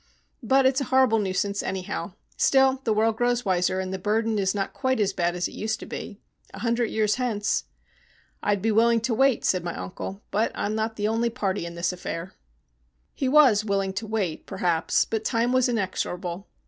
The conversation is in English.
"But it's a horrible nuisance, anyhow. Still, the world grows wiser, and the burden is not quite so bad as it used to be. A hundred years hence " "I'd be willing enough to wait," said my uncle; "but I'm not the only party in this affair." He was willing enough to wait, perhaps, but time was inexorable.